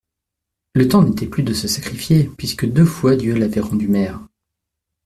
Le temps n'était plus de se sacrifier, puisque deux fois Dieu l'avait rendue mère.